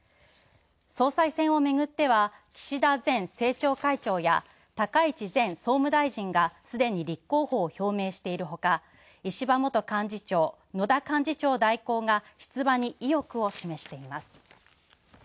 総裁選をめぐっては、岸田前政調会長や高市前総務大臣がすでに立候補を表明しているほか、石破元幹事長、野田幹事長代行が出馬に意欲を示しています。